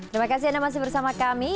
terima kasih anda masih bersama kami